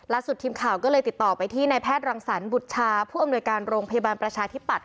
ทีมข่าวก็เลยติดต่อไปที่นายแพทย์รังสรรบุชชาผู้อำนวยการโรงพยาบาลประชาธิปัตย